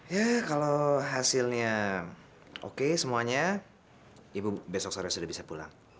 ya kalau hasilnya oke semuanya ibu besok sore sudah bisa pulang